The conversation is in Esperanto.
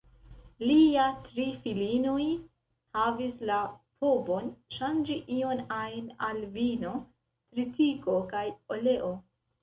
Lia tri filinoj havis la povon ŝanĝi ion-ajn al vino, tritiko kaj oleo.